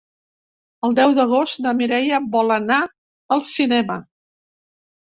El deu d'agost na Mireia vol anar al cinema.